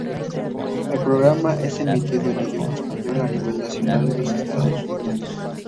El programa es emitido en idioma Español a nivel nacional de los Estados Unidos.